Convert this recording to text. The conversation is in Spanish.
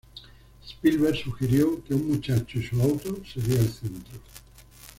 Spielberg sugirió que ""un muchacho y su auto"" sería el centro.